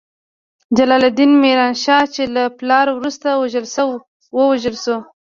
جلال الدین میران شاه، چې له پلار وروسته ووژل شو.